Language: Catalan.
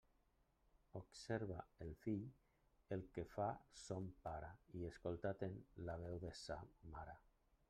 Observa el fill el que fa son pare i escolta atent la veu de sa mare.